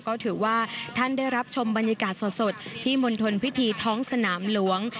ก็ถือว่าท่านได้รับชมบรรยากาศสดที่มณฑลพิธีท้องสนามหลวง